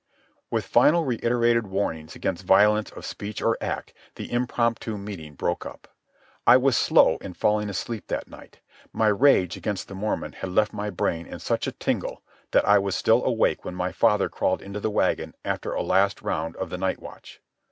With final reiterated warnings against violence of speech or act, the impromptu meeting broke up. I was slow in falling asleep that night. My rage against the Mormon had left my brain in such a tingle that I was still awake when my father crawled into the wagon after a last round of the night watch.